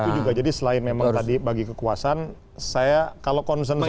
itu juga jadi selain memang tadi bagi kekuasaan saya kalau konsen saya tadi tadi